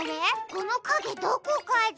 このかげどこかで。